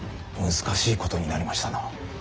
難しいことになりましたな。